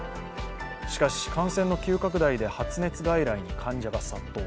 しかし、感染の急拡大で発熱外来に患者が殺到。